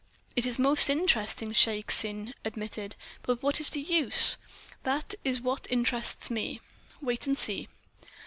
"It is most interesting," Shaik Tsin admitted. "But what is the use? That is what interests me." "Wait and see."